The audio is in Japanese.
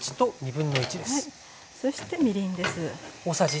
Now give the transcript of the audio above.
そしてみりんです。